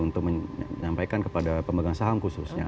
untuk menyampaikan kepada pemegang saham khususnya